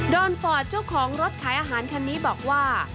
ฟอร์ดเจ้าของรถขายอาหารคันนี้บอกว่า